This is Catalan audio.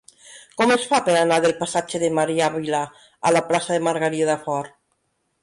Com es fa per anar del passatge de Maria Vila a la plaça de Margarida Fort?